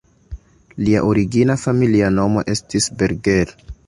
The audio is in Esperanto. Lia origina familia nomo estis "Berger".